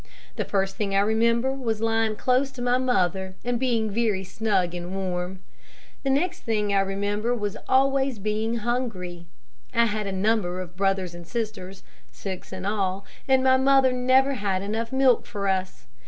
The first thing I remember was lying close to my mother and being very snug and warm. The next thing I remember was being always hungry. I had a number of brothers and sisters six in all and my mother never had enough milk for us.